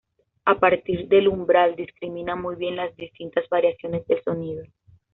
A partir del umbral discrimina muy bien las distintas variaciones del sonido.